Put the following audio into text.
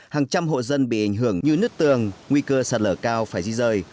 hàng trăm hộ dân bị ảnh hưởng như nứt tường nguy cơ sạt lở cao phải di rời